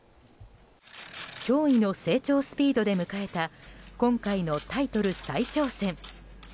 驚異の成長スピードで迎えた今回のタイトル再挑戦。